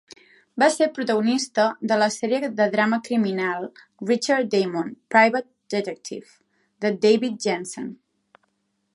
Va ser protagonista de la sèrie de drama criminal "Richard Diamond, Private Detective" de David Janssen.